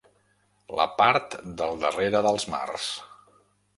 La part del darrere dels mars.